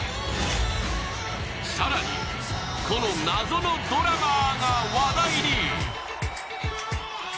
更に、この謎のドラマーが話題に。